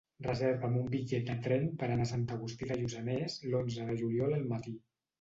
Reserva'm un bitllet de tren per anar a Sant Agustí de Lluçanès l'onze de juliol al matí.